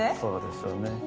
そうですよね。